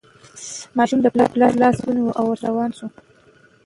ماشوم د پلار لاس ونیو او ورسره روان شو.